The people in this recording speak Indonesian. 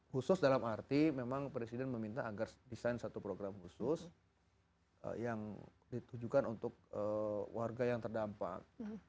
khusus dalam arti memang presiden meminta agar desain satu program khusus yang ditujukan untuk warga yang terdampak